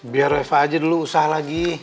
biar reva aja dulu usah lagi